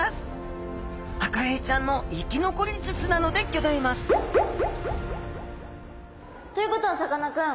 アカエイちゃんの生き残り術なのでギョざいますということはさかなクン